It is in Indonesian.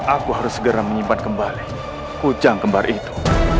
aku harus segera menyimpan kembali kujang kembar itu